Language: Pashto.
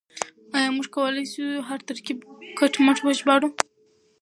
آيا موږ کولای شو هر ترکيب کټ مټ وژباړو؟